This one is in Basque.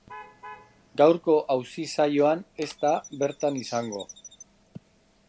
Gaurko auzi saioan ez da bertan izango.